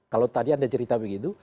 kalau tadi anda cerita begitu